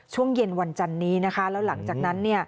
ช่วงเย็นวันจันนี้นะคะแล้วหลังจากนั้น